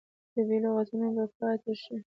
طبیعي لغتونه به پاتې شي.